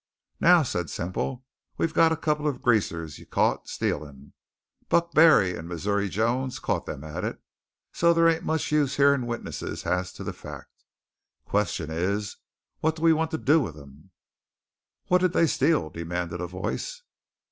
"Now," said Semple, "we got a couple of Greasers yere caught stealin'. Buck Barry and Missouri Jones caught them at it, so there ain't much use hearin' witnesses as to the fact. Question is: what do we want to do with them?" "What did they steal?" demanded a voice.